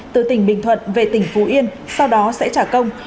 từ tỉnh bình thuận về tỉnh phú yên sau đó sẽ trả công